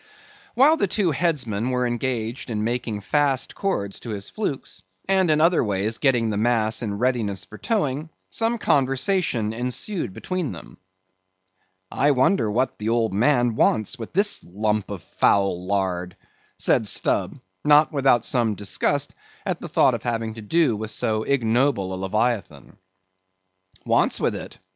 While the two headsmen were engaged in making fast cords to his flukes, and in other ways getting the mass in readiness for towing, some conversation ensued between them. "I wonder what the old man wants with this lump of foul lard," said Stubb, not without some disgust at the thought of having to do with so ignoble a leviathan. "Wants with it?"